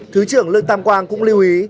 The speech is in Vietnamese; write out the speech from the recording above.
thứ trưởng lương tam quang cũng lưu ý